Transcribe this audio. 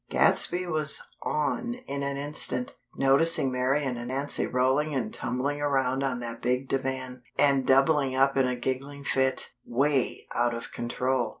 Gadsby was "on" in an instant, noticing Marian and Nancy rolling and tumbling around on that big divan, and doubling up in a giggling fit, way out of control.